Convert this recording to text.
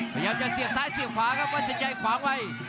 พยายามจะเสียบซ้ายเสียบขวาครับวัดสินชัยขวางไว้